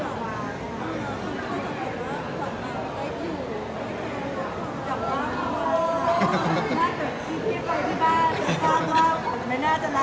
ต้องรู้โครค่ะเพราะว่า